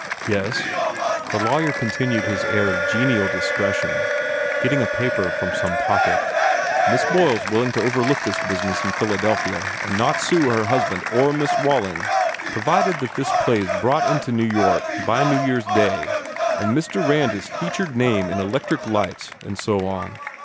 "Yes." The lawyer continued his air of genial discre tion, getting a paper from some pocket. "Miss Boyle s willing to overlook this business in Phila delphia and not sue her husban or Miss Walling provided that this play s brought into New York by New Year s Day and Mr. Rand is featured name in electric lights and so on.